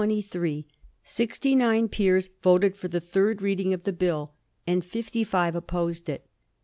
On May 22, 1723, sixty nine peers voted for the third reading of the Bill, and fifty five opposed it.